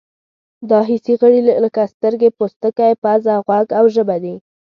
دا حسي غړي لکه سترګې، پوستکی، پزه، غوږ او ژبه دي.